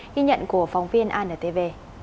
ghi nhận của phóng viên antv